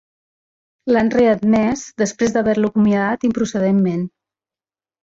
L'han readmès després d'haver-lo acomiadat improcedentment.